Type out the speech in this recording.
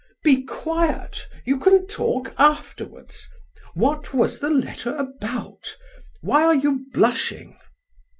"Be quiet, you can talk afterwards! What was the letter about? Why are you blushing?"